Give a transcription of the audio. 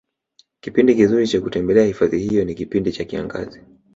kipindi kizuri Cha kutembelea hifadhi hiyo ni kipindi cha kiangazi